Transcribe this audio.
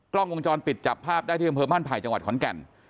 กล้องวงจรปิดจับภาพได้ที่อำเภอบ้านไผ่จังหวัดขอนแก่น